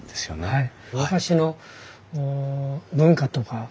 はい。